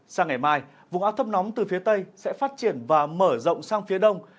sang ngày mai vùng áp thấp nóng từ phía tây sẽ phát triển và mở rộng sang phía đông